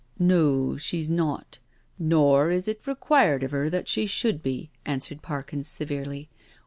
" No, she's not — nor is it required of 'er that she should be," answered Parkins severely.